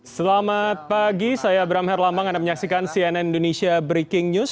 selamat pagi saya abraham herlambang anda menyaksikan cnn indonesia breaking news